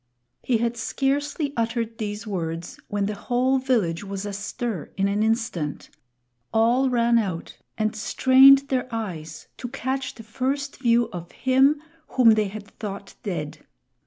He had scarcely uttered these words when the whole village was astir in an instant. All ran out and strained their eyes to catch the first view of him whom they had thought dead.